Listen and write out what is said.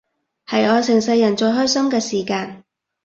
係我成世人最開心嘅時間